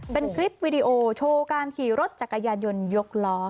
เป็นคลิปวีดีโอโชว์การขี่รถจักรยานยนต์ยกล้อ